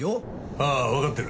ああわかってる。